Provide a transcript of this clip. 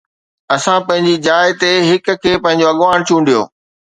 اسان پنهنجي جاءِ تي هڪ کي پنهنجو اڳواڻ چونڊيو.